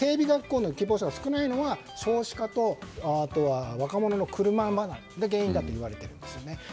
学校の希望者が少ないのは少子化と若者の車離れが原因だといわれてるんですね。